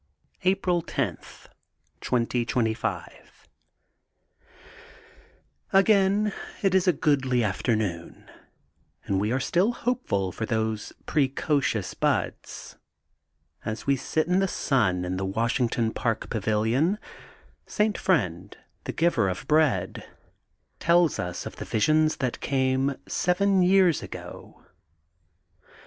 THE GOLDEN LOOK OF SPRINGFIELD 809 April 10, 2025: — ^Again it is a goodly after noon, and we are still hopeful for these pre cocious buds. As we git in the sun in the Washington Park Pavilion, Saint Friend, the Giver of Bread, tells us of the visions that came seven years ago.